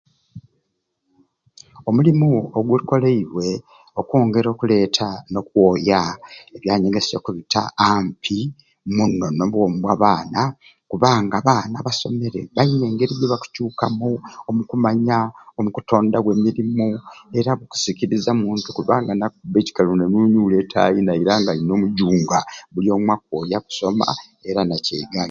Omulimu ogukoleibwe okwongera okuleeta n'okwoya ebyanyegesya okubita ampi nono n'obwomi bwa baana kubanga abaana abasomere baina engeri gi bakucuukamu omu kumanya, omukutondawo e mirimu era batusikiriza omuntu kubanga bakkubba ekikalu nanunuula e taayi nabba nga alina omujunga buli omwe akwoya kusoma era naceega.